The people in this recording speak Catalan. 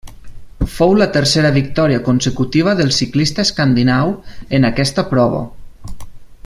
Fou la tercera victòria consecutiva del ciclista escandinau, en aquesta prova.